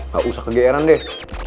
gak usah kegeeran deh